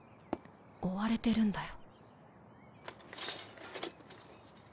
追われてるんだよ。